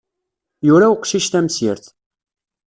Yura uqcic tamsirt.